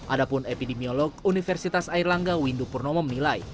ada pun epidemiolog universitas air langga windupurno memilai